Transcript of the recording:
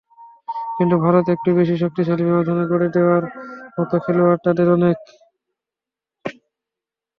কিন্তু ভারত একটু বেশিই শক্তিশালী, ব্যবধান গড়ে দেওয়ার মতো খেলোয়াড় তাদের অনেক।